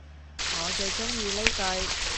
我最鍾意呢句